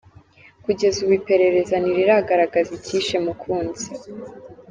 Kugeza ubu iperereza ntiriragaragaza icyishe Mukunzi.